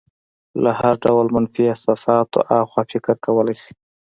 له هر ډول منفي احساساتو اخوا فکر وکولی شي.